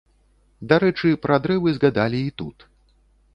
Дарэчы, пра дрэвы згадалі і тут.